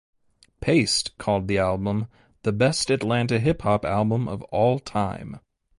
"Paste" called the album "the best Atlanta hip-hop album of all time".